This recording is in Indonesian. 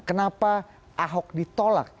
kenapa ahok ditolak